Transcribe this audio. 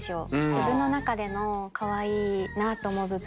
自分の中でのかわいいなと思う部分。